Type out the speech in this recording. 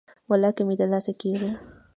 ولاکه مې د لاسه کیږي.